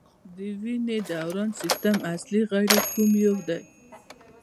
د وینې دوران سیستم اصلي غړی کوم یو دی